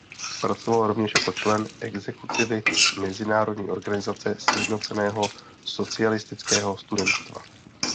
Pracoval rovněž jako člen exekutivy Mezinárodní organizace sjednoceného socialistického studentstva.